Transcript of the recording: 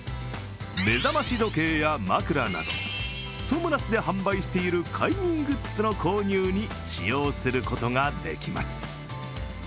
目覚まし時計や枕など、Ｓｏｍｎｕｓで販売している快眠グッズの購入に使用することができます。